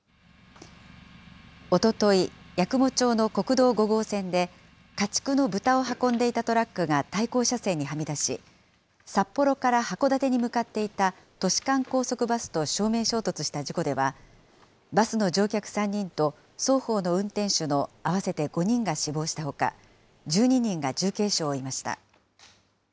おととい、八雲町の国道５号線で、家畜の豚を運んでいたトラックが対向車線にはみ出し、札幌から函館に向かっていた都市間高速バスと正面衝突した事故では、バスの乗客３人と双方の運転手の合わせて５人が死亡したほか、１２人が重軽傷を負いました。